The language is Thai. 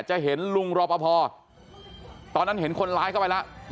จะเห็นลุงรอปภตอนนั้นเห็นคนร้ายเข้าไปแล้ว